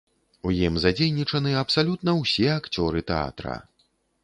У ім задзейнічаны абсалютна ўсе акцёры тэатра.